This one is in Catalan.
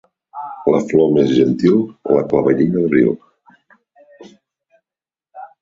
La flor més gentil, la clavellina d'abril.